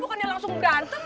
bukannya langsung berantem